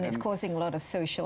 banyak kegagalan sosial